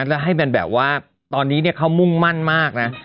แล้วให้มันแบบว่าตอนนี้เขามุ่งมั่นมากนะ